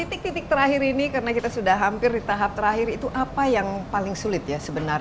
nah titik titik terakhir ini karena kita sudah hampir di tahap terakhir itu apa yang harus kita lakukan